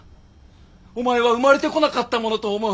「お前は生まれてこなかったものと思う」